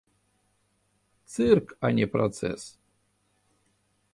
Цырк, а не працэс.